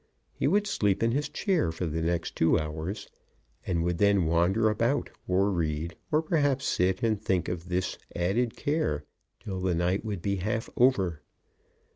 He would sleep in his chair for the next two hours, and would then wander about, or read, or perhaps sit and think of this added care till the night would be half over.